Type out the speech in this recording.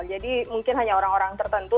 jadi mungkin hanya orang orang tertentu